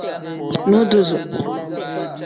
Nodoozo.